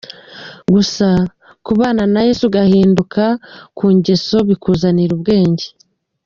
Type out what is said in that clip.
Gusa kubana na Yesu ugahinduka ku ngeso bikuzanira ubwenge.